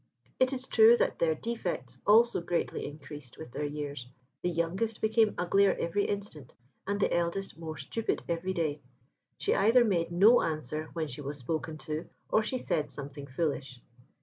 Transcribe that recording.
It is true that their defects also greatly increased with their years. The youngest became uglier every instant, and the eldest more stupid every day. She either made no answer when she was spoken to, or she said something foolish.